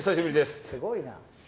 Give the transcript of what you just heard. すごいな。